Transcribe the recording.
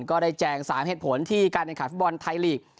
แจง๓เหตุผลที่การแข่งขันฟุตบอลไทยลีก